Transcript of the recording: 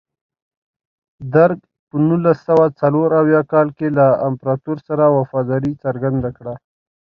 درګ په نولس سوه څلور اویا کال کې له امپراتور سره وفاداري څرګنده کړه.